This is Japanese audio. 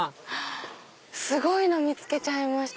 すごいの見つけちゃいました。